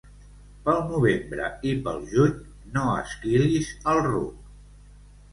Pel novembre i pel juny no esquilis el ruc.